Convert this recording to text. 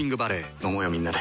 飲もうよみんなで。